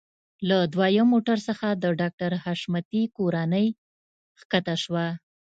له دويم موټر څخه د ډاکټر حشمتي کورنۍ ښکته شوه.